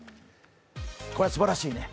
これはすばらしいね。